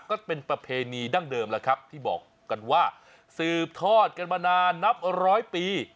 ก็เป็นประเพณีดั้งเดิมแล้วครับที่บอกกันว่าสืบทอดกันมานานนับร้อยปี